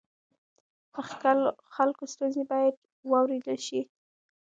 د خلکو ستونزې باید واورېدل شي.